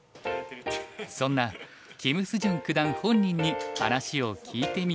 そんな金秀俊九段本人に話を聞いてみました。